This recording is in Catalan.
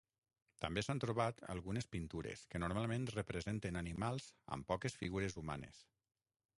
També s'han trobat algunes pintures, que normalment representen animals amb poques figures humanes.